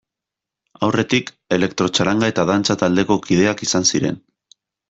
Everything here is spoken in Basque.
Aurretik, elektrotxaranga eta dantza taldeko kideak izan ziren.